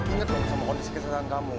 inget dong sama kondisi keserangan kamu